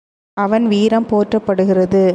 அவன் வீரம் போற்றப்படுகிறது.